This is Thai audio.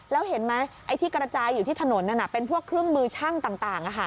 แล้วเห็นไหมไอ้ที่กระจายอยู่ที่ถนนนั้นเป็นพวกเครื่องมือช่างต่าง